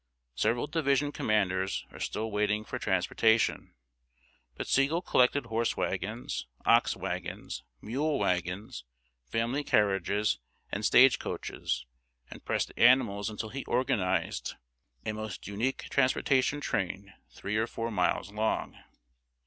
Several division commanders are still waiting for transportation, but Sigel collected horse wagons, ox wagons, mule wagons, family carriages, and stage coaches, and pressed animals until he organized a most unique transportation train three or four miles long.